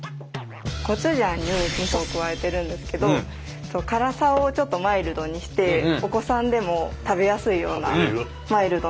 コチュジャンに味噌を加えてるんですけど辛さをちょっとマイルドにしてお子さんでも食べやすいようなマイルドな辛さに。